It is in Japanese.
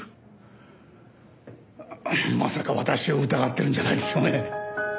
まさか私を疑ってるんじゃないでしょうね？